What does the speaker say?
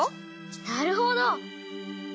なるほど！